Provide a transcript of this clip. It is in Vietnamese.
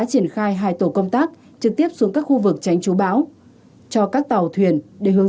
triển khai hai tổ công tác trực tiếp xuống các khu vực tránh chú bão cho các tàu thuyền để hướng